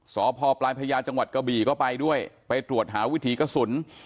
สพปลายพญาจังหวัดกะบี่ก็ไปด้วยไปตรวจหาวิถีกระสุน